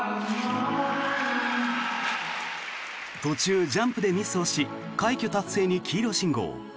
途中、ジャンプでミスをし快挙達成に黄色信号。